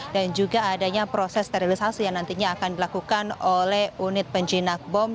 dan juga adanya proses sterilisasi yang nantinya akan dilakukan oleh unit penjinak bom